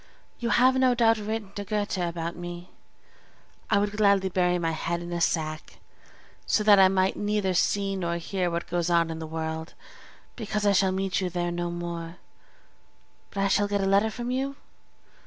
You have no doubt written to Goethe about me? I would gladly bury my head in a sack, so that I might neither see nor hear what goes on in the world, because I shall meet you there no more; but I shall get a letter from you?